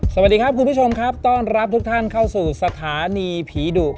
สวัสดีครับคุณผู้ชมครับต้อนรับทุกท่านเข้าสู่สถานีผีดุ